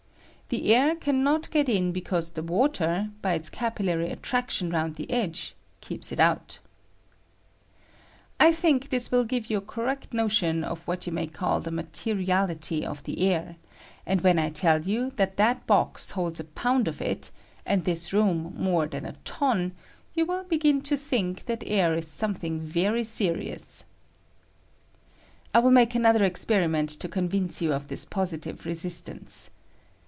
The air can not get in be I cause the water, by its capillary attraction j round the edge, keeps it out, il think this will give you a correct notion of what you may call the materiality of the air ; and when I tell you that that box holds a pound of it, and this room more than a ton, you will begin to think that air is something very serious. I will make another experiment to THE POPGUN. ^B 1S8 ^^H convince you of this positive resistance.